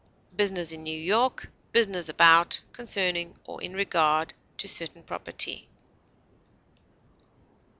business in New York; business about, concerning, or in regard to certain property.